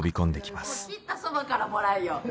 切ったそばからもらいよう。